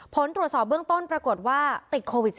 ผลตรวจสอบเบื้องต้นปรากฏว่าติดโควิด๑๙